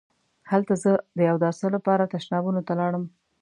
هلته زه د اوداسه لپاره تشنابونو ته لاړم.